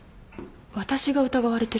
私が疑われてるの？